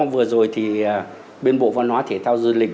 vừa rồi thì bên bộ văn hóa thể thao du lịch